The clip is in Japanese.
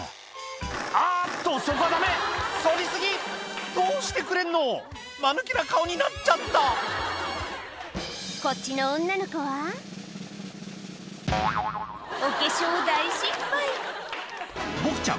あっとそこはダメそり過ぎどうしてくれんの⁉マヌケな顔になっちゃったこっちの女の子はお化粧大失敗ボクちゃん